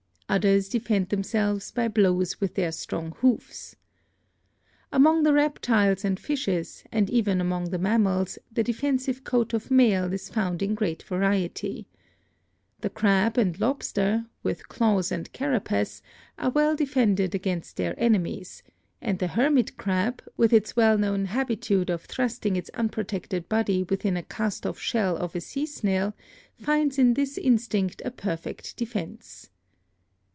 Others defend themselves by blows with their strong hoofs. Among the reptiles and fishes and even among the mammals the defensive coat of mail is found in great variety. The crab an3 lobster, with claws and carapace, are well defended against their enemies, and the hermit crab, with its well knowl habitude of thrust ing its unprotected body within a cast off shell of a sea snail, finds in this instinct a perfect defense.